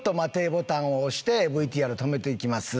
ボタンを押してＶＴＲを止めていきます。